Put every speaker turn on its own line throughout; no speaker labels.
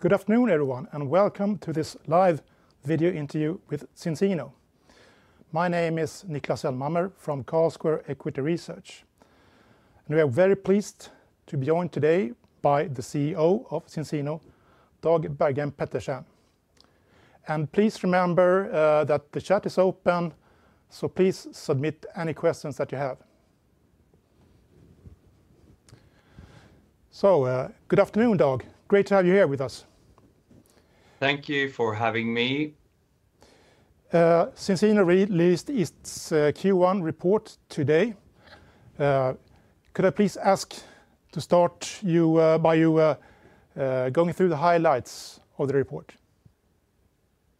Good afternoon, everyone, and Welcome to this live video interview with Zinzino. My name is Niklas Elmhammer from Carlsquare Equity Research. We are very pleased to be joined today by the CEO of Zinzino, Dag Bergheim Pettersen. Please remember that the chat is open, so please submit any questions that you have. Good afternoon, Dag. Great to have you here with us.
Thank you for having me.
Zinzino released its Q1 report today. Could I please ask to start you by you going through the highlights of the report?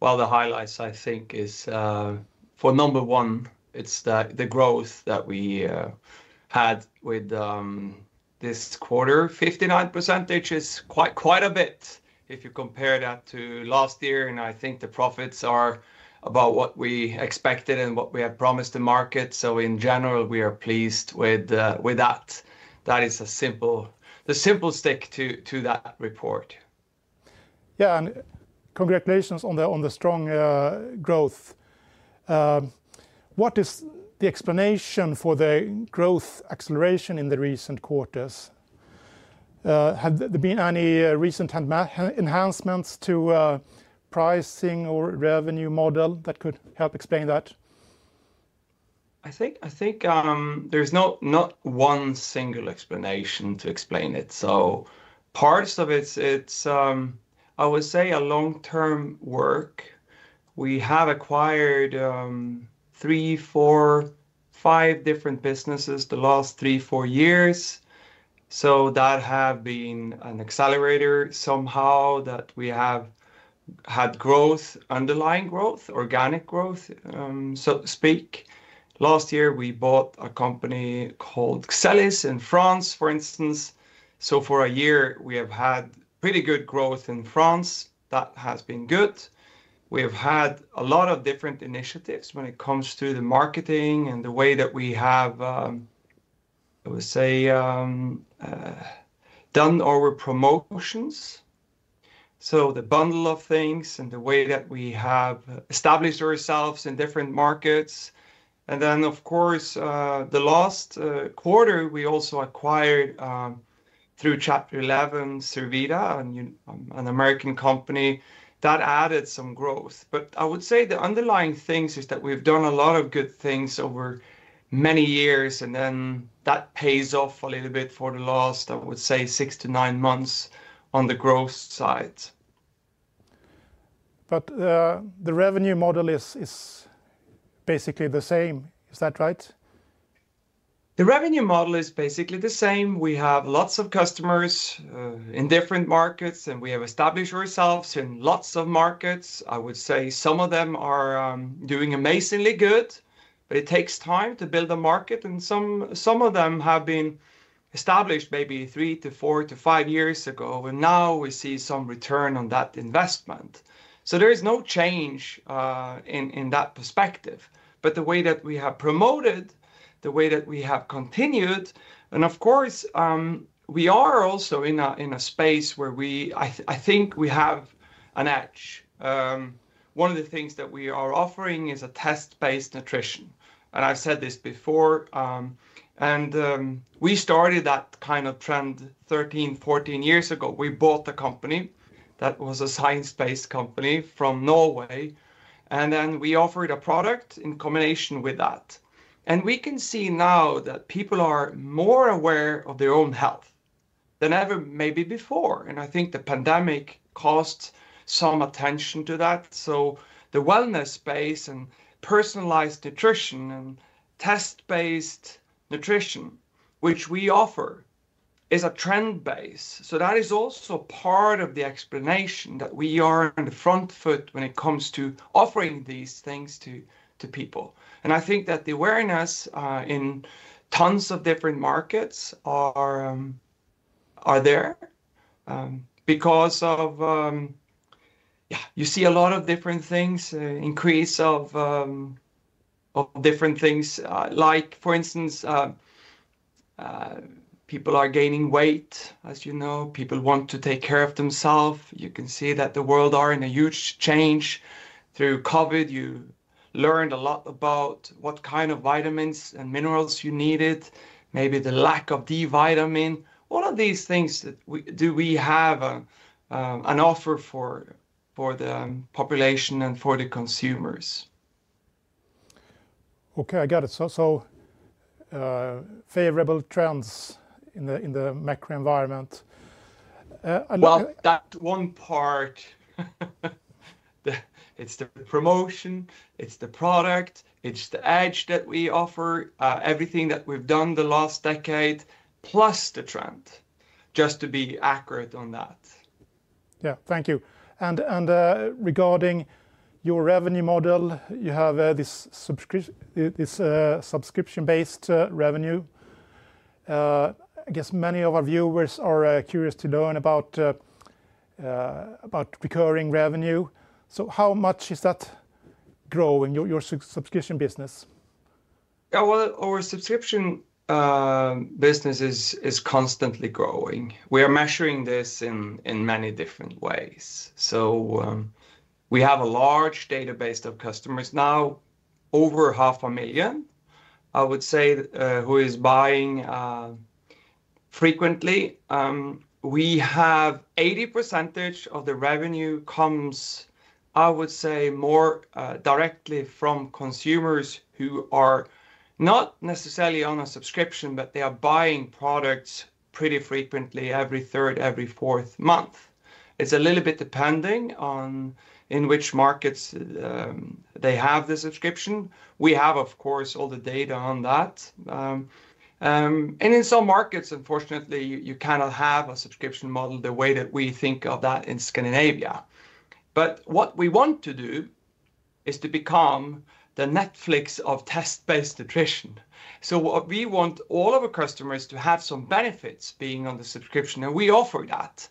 The highlights, I think, is for number one, it's the growth that we had with this quarter. 59% is quite a bit if you compare that to last year. I think the profits are about what we expected and what we have promised the market. In general, we are pleased with that. That is the simple stick to that report.
Yeah, and congratulations on the strong growth. What is the explanation for the growth acceleration in the recent quarters? Have there been any recent enhancements to pricing or revenue model that could help explain that?
I think there's not one single explanation to explain it. Parts of it, I would say, are long-term work. We have acquired three, four, five different businesses the last three, four years. That has been an accelerator somehow that we have had growth, underlying growth, organic growth, so to speak. Last year, we bought a company called Xelis in France, for instance. For a year, we have had pretty good growth in France. That has been good. We have had a lot of different initiatives when it comes to the marketing and the way that we have, I would say, done our promotions. The bundle of things and the way that we have established ourselves in different markets. Of course, the last quarter, we also acquired through Chapter 11, Zurvita, an American company. That added some growth. I would say the underlying things is that we've done a lot of good things over many years, and then that pays off a little bit for the last, I would say, six to nine months on the growth side.
The revenue model is basically the same. Is that right?
The revenue model is basically the same. We have lots of customers in different markets, and we have established ourselves in lots of markets. I would say some of them are doing amazingly good, it takes time to build a market. Some of them have been established maybe three to four to five years ago, and now we see some return on that investment. There is no change in that perspective. The way that we have promoted, the way that we have continued, and of course, we are also in a space where I think we have an edge. One of the things that we are offering is a test-based nutrition. I've said this before. We started that kind of trend 13 years, 14 years ago. We bought a company that was a science-based company from Norway, and then we offered a product in combination with that. We can see now that people are more aware of their own health than ever maybe before. I think the pandemic caused some attention to that. The wellness space and personalized nutrition and test-based nutrition, which we offer, is trend-based. That is also part of the explanation that we are in the front foot when it comes to offering these things to people. I think that the awareness in tons of different markets is there because of, yeah, you see a lot of different things, increase of different things. Like, for instance, people are gaining weight, as you know. People want to take care of themselves. You can see that the world is in a huge change. Through COVID, you learned a lot about what kind of vitamins and minerals you needed, maybe the lack of D-vitamin. What are these things that do we have an offer for the population and for the consumers?
Okay, I got it. Favorable trends in the macro environment.
That one part, it's the promotion, it's the product, it's the edge that we offer, everything that we've done the last decade, plus the trend, just to be accurate on that.
Thank you. Regarding your revenue model, you have this subscription-based revenue. I guess many of our viewers are curious to learn about recurring revenue. How much is that growing, your subscription business?
Our subscription business is constantly growing. We are measuring this in many different ways. We have a large database of customers now, over 500,000, I would say, who are buying frequently. We have 80% of the revenue comes, I would say, more directly from consumers who are not necessarily on a subscription, but they are buying products pretty frequently, every third, every fourth month. It is a little bit depending on in which markets they have the subscription. We have, of course, all the data on that. In some markets, unfortunately, you cannot have a subscription model the way that we think of that in Scandinavia. What we want to do is to become the Netflix of test-based nutrition. We want all of our customers to have some benefits being on the subscription, and we offer that.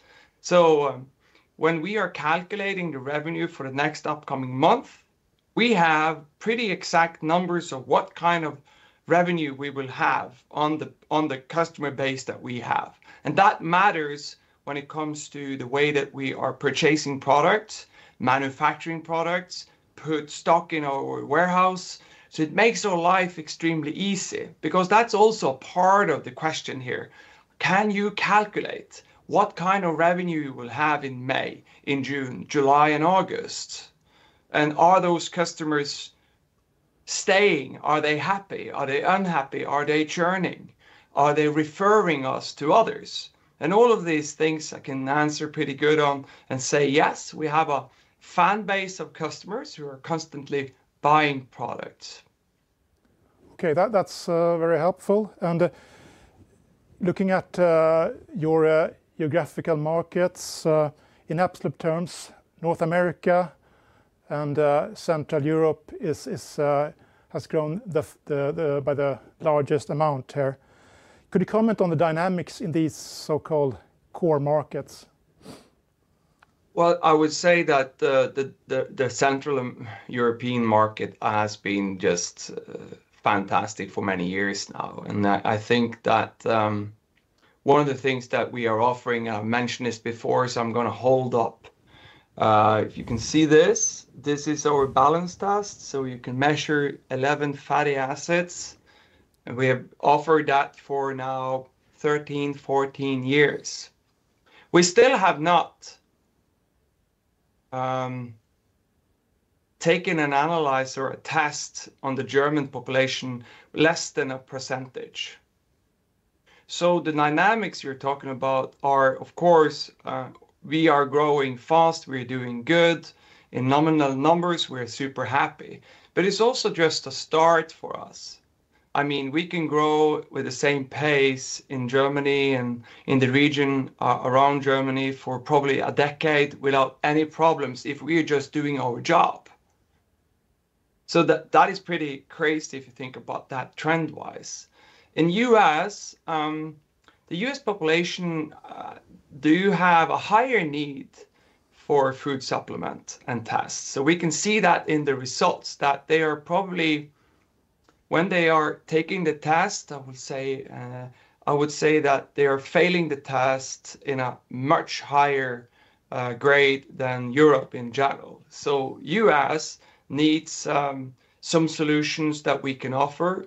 When we are calculating the revenue for the next upcoming month, we have pretty exact numbers of what kind of revenue we will have on the customer base that we have. That matters when it comes to the way that we are purchasing products, manufacturing products, put stock in our warehouse. It makes our life extremely easy because that's also part of the question here. Can you calculate what kind of revenue you will have in May, in June, July, and August? Are those customers staying? Are they happy? Are they unhappy? Are they churning? Are they referring us to others? All of these things I can answer pretty good on and say, yes, we have a fan base of customers who are constantly buying products.
Okay, that's very helpful. Looking at your geographical markets, in absolute terms, North America and Central Europe has grown by the largest amount here. Could you comment on the dynamics in these so-called core markets?
I would say that the Central European market has been just fantastic for many years now. I think that one of the things that we are offering, I mentioned this before, so I'm going to hold up. If you can see this, this is our BalanceTest, so you can measure 11 fatty acids. We have offered that for now 13 years, 14 years. We still have not taken an analysis or a test on the German population less than a percentage. The dynamics you're talking about are, of course, we are growing fast, we're doing good. In nominal numbers, we're super happy. It is also just a start for us. I mean, we can grow with the same pace in Germany and in the region around Germany for probably a decade without any problems if we are just doing our job. That is pretty crazy if you think about that trend-wise. In the U.S., the U.S. population does have a higher need for food supplements and tests. We can see that in the results that they are probably, when they are taking the test, I would say, I would say that they are failing the test in a much higher grade than Europe in general. The U.S. needs some solutions that we can offer.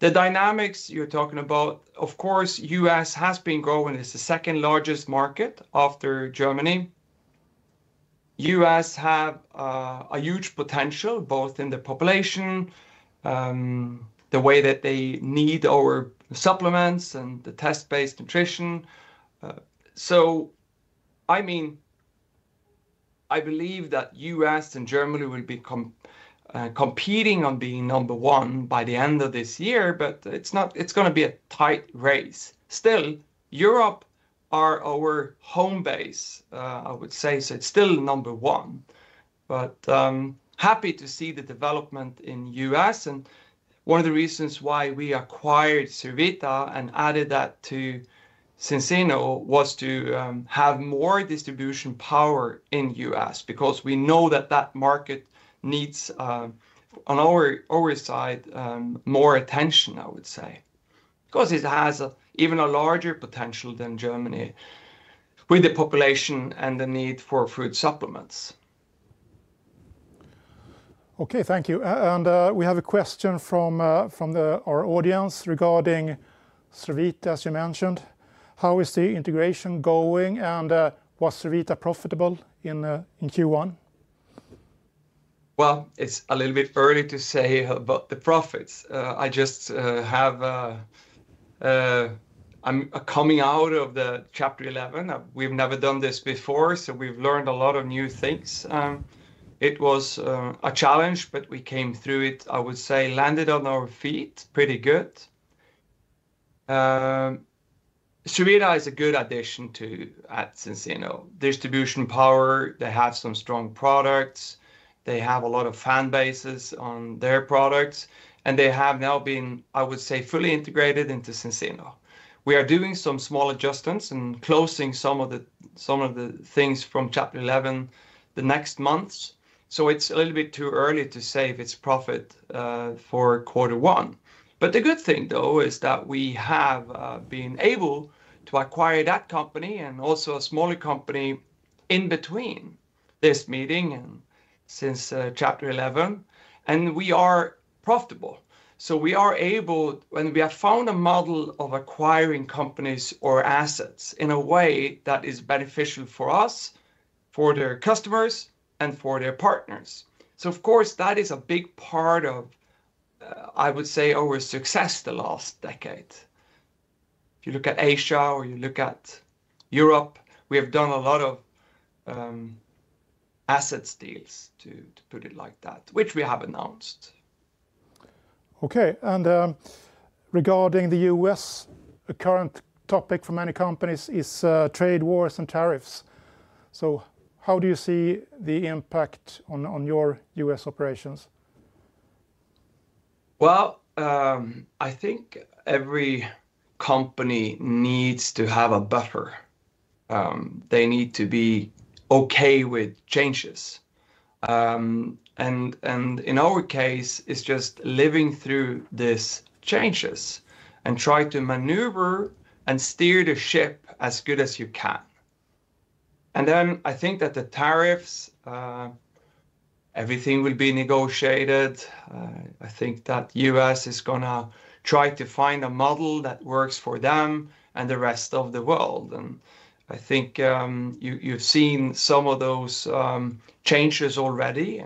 The dynamics you're talking about, of course, the U.S. has been growing. It's the second largest market after Germany. The U.S. has a huge potential both in the population, the way that they need our supplements, and the test-based nutrition. I mean, I believe that the U.S. and Germany will be competing on being number one by the end of this year, but it's going to be a tight race. Still, Europe is our home base, I would say, so it's still number one. I am happy to see the development in the U.S.. One of the reasons why we acquired Zurvita and added that to Zinzino was to have more distribution power in the U.S. because we know that that market needs, on our side, more attention, I would say, because it has even a larger potential than Germany with the population and the need for food supplements.
Okay, thank you. We have a question from our audience regarding Zurvita, as you mentioned. How is the integration going, and was Zurvita profitable in Q1?
It's a little bit early to say about the profits. I just have a coming out of Chapter 11. We've never done this before, so we've learned a lot of new things. It was a challenge, but we came through it, I would say, landed on our feet pretty good. Zurvita is a good addition to Zinzino. Distribution power, they have some strong products, they have a lot of fan bases on their products, and they have now been, I would say, fully integrated into Zinzino. We are doing some small adjustments and closing some of the things from Chapter 11 the next month. It's a little bit too early to say if it's profit for quarter one. The good thing, though, is that we have been able to acquire that company and also a smaller company in between this meeting and since Chapter 11, and we are profitable. We are able, when we have found a model of acquiring companies or assets in a way that is beneficial for us, for their customers, and for their partners. Of course, that is a big part of, I would say, our success the last decade. If you look at Asia or you look at Europe, we have done a lot of asset deals, to put it like that, which we have announced.
Okay, and regarding the U.S., a current topic for many companies is trade wars and tariffs. How do you see the impact on your U.S. operations?
I think every company needs to have a buffer. They need to be okay with changes. In our case, it's just living through these changes and trying to maneuver and steer the ship as good as you can. I think that the tariffs, everything will be negotiated. I think that the U.S. is going to try to find a model that works for them and the rest of the world. I think you've seen some of those changes already.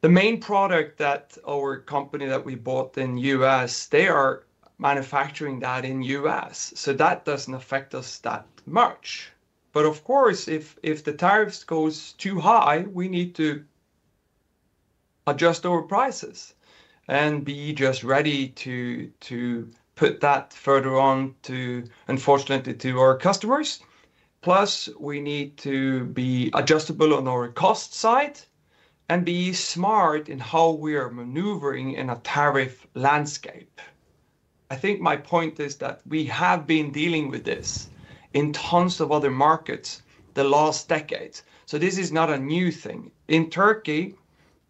The main product that our company that we bought in the U.S., they are manufacturing that in the U.S., so that does not affect us that much. Of course, if the tariffs go too high, we need to adjust our prices and be just ready to put that further on, unfortunately, to our customers. Plus, we need to be adjustable on our cost side and be smart in how we are maneuvering in a tariff landscape. I think my point is that we have been dealing with this in tons of other markets the last decade. This is not a new thing. In Turkey,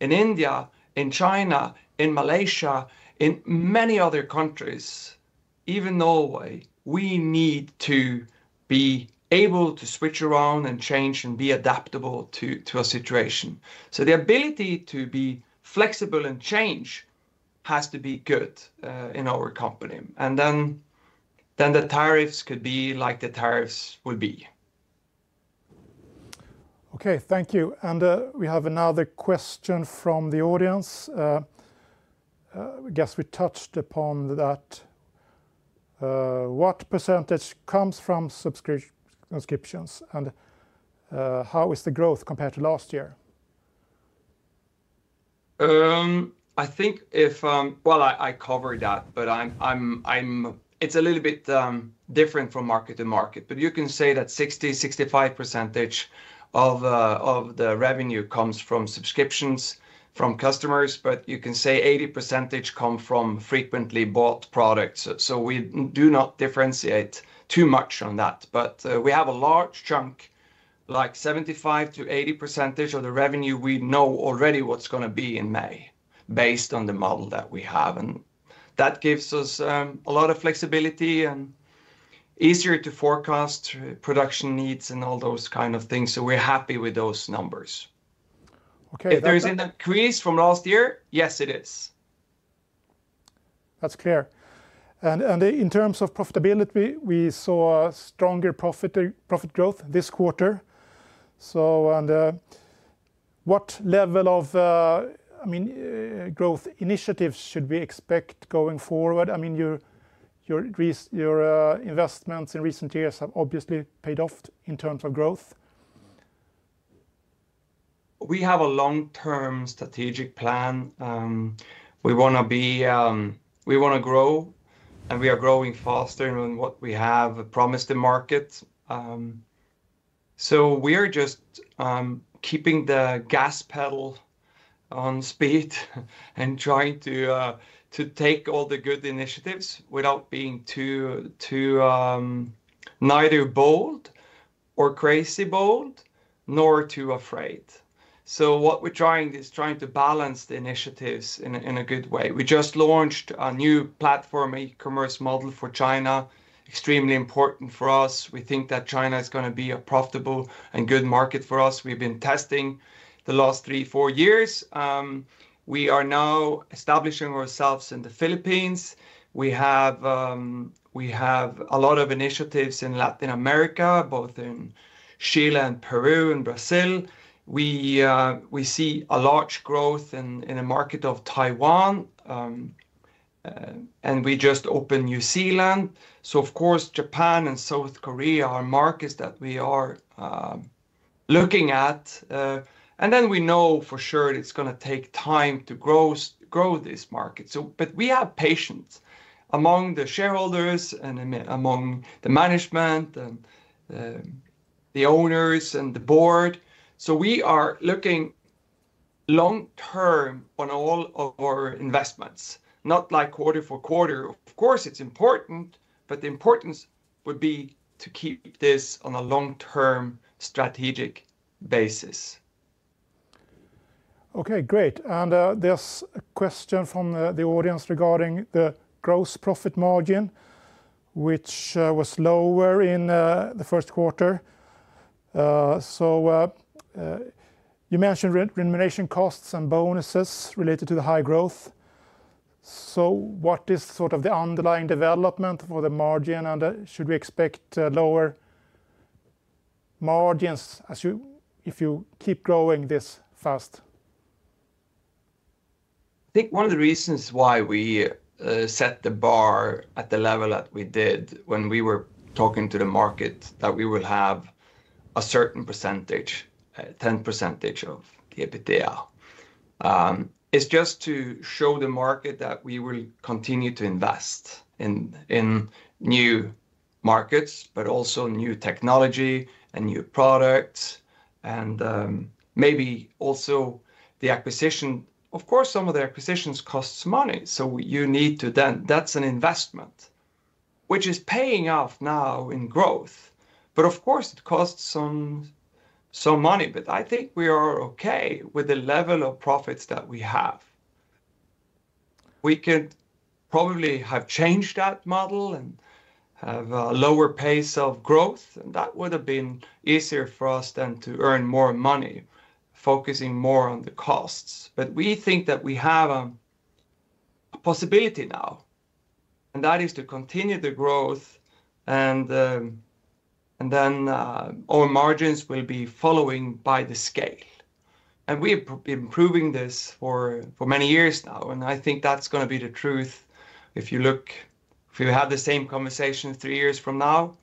in India, in China, in Malaysia, in many other countries, even Norway, we need to be able to switch around and change and be adaptable to a situation. The ability to be flexible and change has to be good in our company. The tariffs could be like the tariffs will be.
Okay, thank you. We have another question from the audience. I guess we touched upon that. What percentage comes from subscriptions? How is the growth compared to last year?
I think if, well, I covered that, but it's a little bit different from market to market. You can say that 60%, 65% of the revenue comes from subscriptions, from customers, but you can say 80% comes from frequently bought products. We do not differentiate too much on that. We have a large chunk, like 75%-80% of the revenue, we know already what's going to be in May based on the model that we have. That gives us a lot of flexibility and makes it easier to forecast production needs and all those kinds of things. We're happy with those numbers. If there is an increase from last year, yes, it is.
That's clear. In terms of profitability, we saw stronger profit growth this quarter. What level of, I mean, growth initiatives should we expect going forward? I mean, your investments in recent years have obviously paid off in terms of growth.
We have a long-term strategic plan. We want to grow, and we are growing faster than what we have promised the market. We are just keeping the gas pedal on speed and trying to take all the good initiatives without being neither bold or crazy bold, nor too afraid. What we're trying is trying to balance the initiatives in a good way. We just launched a new platform e-commerce model for China, extremely important for us. We think that China is going to be a profitable and good market for us. We've been testing the last three, four years. We are now establishing ourselves in the Philippines. We have a lot of initiatives in Latin America, both in Chile, Peru, and Brazil. We see a large growth in the market of Taiwan, and we just opened New Zealand. Japan and South Korea are markets that we are looking at. And then we know for sure it's going to take time to grow this market. But we have patience among the shareholders and among the management, the owners, and the board. We are looking long-term on all of our investments, not like quarter for quarter. Of course, it's important, but the importance would be to keep this on a long-term strategic basis.
Okay, great. There is a question from the audience regarding the gross profit margin, which was lower in the first quarter. You mentioned remuneration costs and bonuses related to the high growth. What is sort of the underlying development for the margin, and should we expect lower margins if you keep growing this fast?
I think one of the reasons why we set the bar at the level that we did when we were talking to the market that we will have a certain percentage, 10% of the EBITDA, is just to show the market that we will continue to invest in new markets, but also new technology and new products, and maybe also the acquisition. Of course, some of the acquisitions cost money, so you need to, that's an investment, which is paying off now in growth. Of course, it costs some money, but I think we are okay with the level of profits that we have. We could probably have changed that model and have a lower pace of growth, and that would have been easier for us than to earn more money, focusing more on the costs. We think that we have a possibility now, and that is to continue the growth, and then our margins will be following by the scale. We have been improving this for many years now, and I think that's going to be the truth. If you have the same conversation three years from now,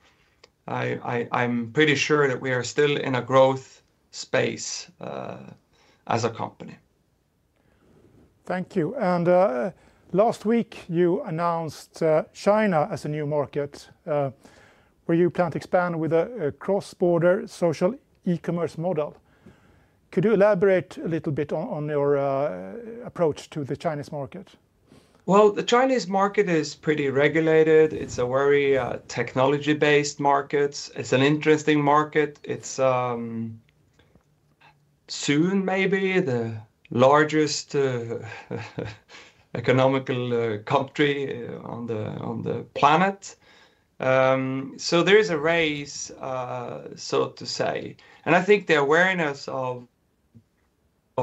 I'm pretty sure that we are still in a growth space as a company.
Thank you. Last week, you announced China as a new market where you plan to expand with a cross-border social e-commerce model. Could you elaborate a little bit on your approach to the Chinese market?
The Chinese market is pretty regulated. It's a very technology-based market. It's an interesting market. It's soon, maybe, the largest economical country on the planet. There is a raise, so to say. I think the awareness of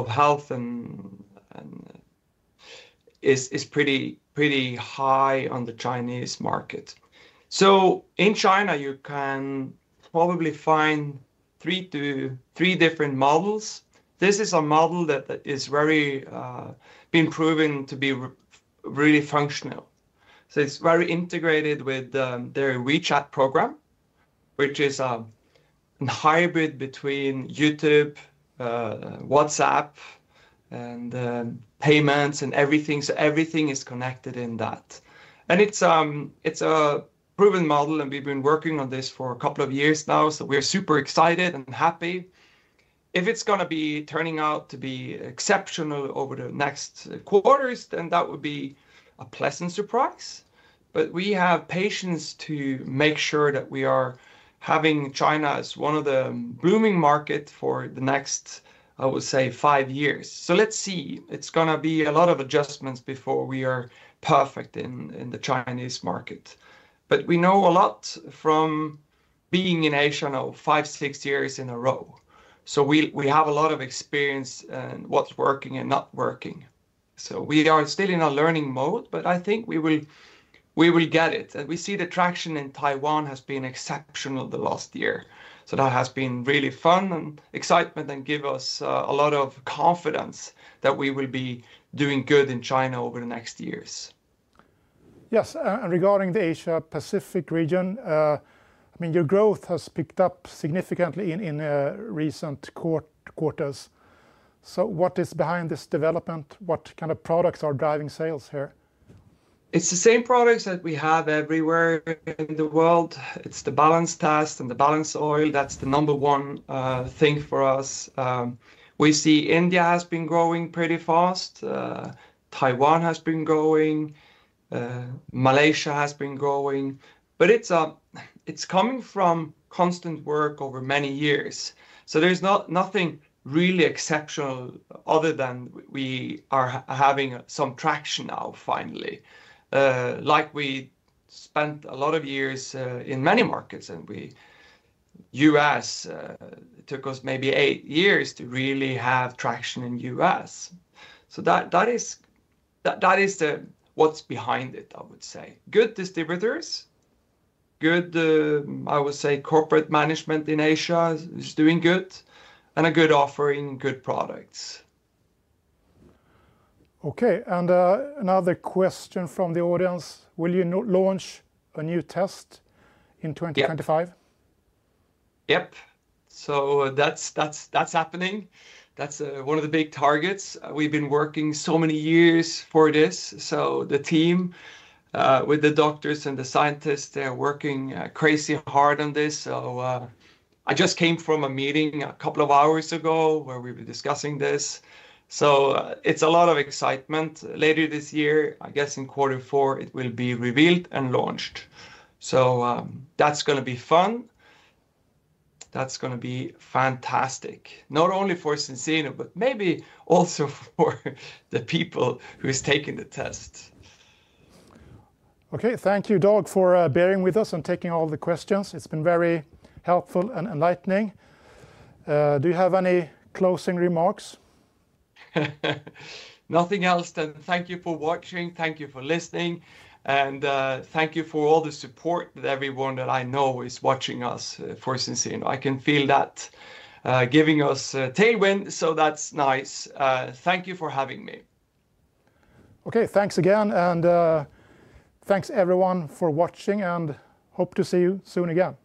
health is pretty high on the Chinese market. In China, you can probably find three different models. This is a model that has been proven to be really functional. It's very integrated with their WeChat program, which is a hybrid between YouTube, WhatsApp, and payments and everything. Everything is connected in that. It's a proven model, and we've been working on this for a couple of years now, so we're super excited and happy. If it's going to be turning out to be exceptional over the next quarters, that would be a pleasant surprise. We have patience to make sure that we are having China as one of the booming markets for the next, I would say, five years. Let's see. It is going to be a lot of adjustments before we are perfect in the Chinese market. We know a lot from being in Asia now, five, six years in a row. We have a lot of experience in what is working and not working. We are still in a learning mode, but I think we will get it. We see the traction in Taiwan has been exceptional the last year. That has been really fun and excitement and gives us a lot of confidence that we will be doing good in China over the next years.
Yes. Regarding the Asia-Pacific region, I mean, your growth has picked up significantly in recent quarters. What is behind this development? What kind of products are driving sales here?
It's the same products that we have everywhere in the world. It's the BalanceTest and the BalanceOil. That's the number one thing for us. We see India has been growing pretty fast. Taiwan has been growing. Malaysia has been growing. It's coming from constant work over many years. There's nothing really exceptional other than we are having some traction now, finally. Like we spent a lot of years in many markets, and the U.S. took us maybe eight years to really have traction in the U.S.. That is what's behind it, I would say. Good distributors, good, I would say, corporate management in Asia is doing good, and a good offering, good products.
Okay. Another question from the audience. Will you launch a new test in 2025?
Yep. That's happening. That's one of the big targets. We've been working so many years for this. The team with the doctors and the scientists, they're working crazy hard on this. I just came from a meeting a couple of hours ago where we were discussing this. It's a lot of excitement. Later this year, I guess in quarter four, it will be revealed and launched. That's going to be fun. That's going to be fantastic. Not only for Zinzino, but maybe also for the people who are taking the test.
Okay. Thank you, Dag, for bearing with us and taking all the questions. It's been very helpful and enlightening. Do you have any closing remarks?
Nothing else. Thank you for watching. Thank you for listening. And thank you for all the support that everyone that I know is watching us for Zinzino. I can feel that giving us tailwind, so that's nice. Thank you for having me.
Okay. Thanks again. Thanks everyone for watching, and hope to see you soon again.